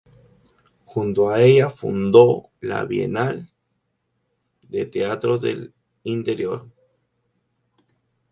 Junto a ella fundó la Bienal de Teatros del Interior.